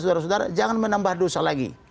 saudara saudara jangan menambah dosa lagi